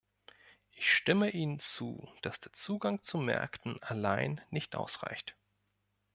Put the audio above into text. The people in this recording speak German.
Ich stimme Ihnen zu, dass der Zugang zu Märkten allein nicht ausreicht.